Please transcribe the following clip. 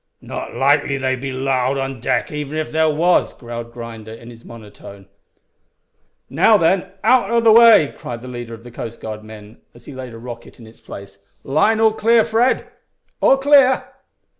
"Not likely they'd be 'lowed on deck even if there was," growled Grinder, in his monotone. "Now, then, out o' the way," cried the leader of the Coast Guard men, as he laid a rocket in its place. "Line all clear, Fred?" "All clear."